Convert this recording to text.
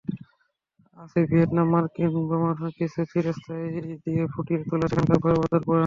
আছে ভিয়েতনামে মার্কিন বোমাবর্ষণের কিছু স্থিরচিত্র দিয়ে ফুটিয়ে তোলা সেখানকার ভয়াবহতার বয়ান।